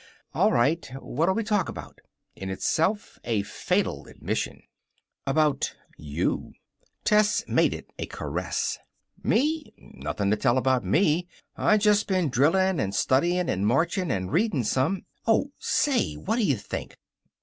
"All right. What'll we talk about?" In itself a fatal admission. "About you." Tessie made it a caress. "Me? Nothin' to tell about me. I just been drillin' and studyin' and marchin' and readin' some Oh, say, what d'you think?"